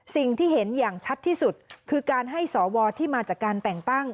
สิ่งที่เห็นอย่างชัดที่สุดคือการให้สวที่มาจากการแต่งตั้ง